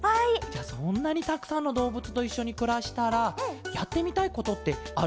じゃそんなにたくさんのどうぶつといっしょにくらしたらやってみたいことってあるケロ？